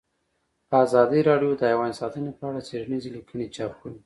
ازادي راډیو د حیوان ساتنه په اړه څېړنیزې لیکنې چاپ کړي.